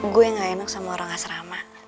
gue yang gak enak sama orang asrama